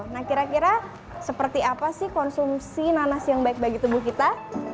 nah kira kira seperti apa sih konsumsi nanas yang baik bagi tubuh kita